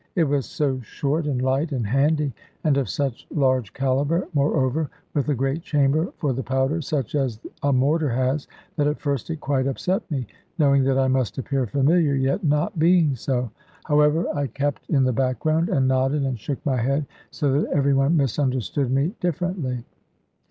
It was so short, and light, and handy, and of such large caliber, moreover with a great chamber for the powder, such as a mortar has, that at first it quite upset me, knowing that I must appear familiar, yet not being so. However, I kept in the background, and nodded and shook my head so that every one misunderstood me differently.